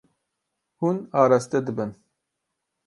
Hûn araste dibin.